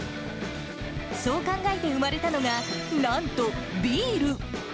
そう考えて生まれたのが、なんとビール。